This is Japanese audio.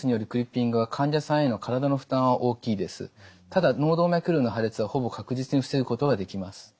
ただ脳動脈瘤の破裂はほぼ確実に防ぐことができます。